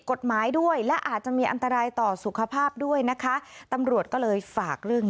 กฎหมายด้วยและอาจจะมีอันตรายต่อสุขภาพด้วยนะคะตำรวจก็เลยฝากเรื่อง